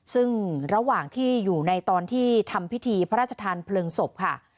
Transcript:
ซึ่งระหว่างที่อยู่ในตอนที่ทำพิธีพระราชทานเพลิงศพค่ะ